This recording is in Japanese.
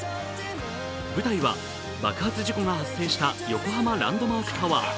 舞台は爆発事故が発生した横浜ランドマークタワー。